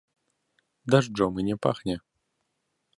Дажджом і не пахне.